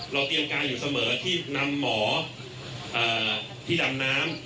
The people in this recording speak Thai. เตรียมการอยู่เสมอที่นำหมอที่ดำน้ำ